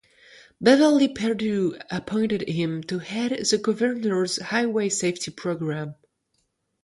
Beverly Perdue appointed him to head the Governor's Highway Safety Program.